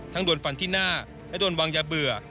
โดนฟันที่หน้าและโดนวางยาเบื่อ